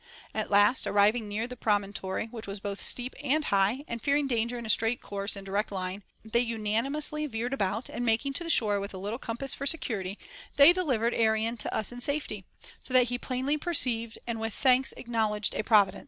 At last, arriving near the promontory which was both steep and high, and fearing danger in a straight course and direct line, they unanimously veered about, and making to shore with a little compass for security, they delivered Arion to us in safety, so that he plainly perceived and with thanks acknowledged a Providence.